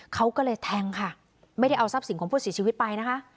เขาก็เลยแทงค่ะไม่ได้เอาทรัพย์สินของผู้เสียชีวิตไปนะคะ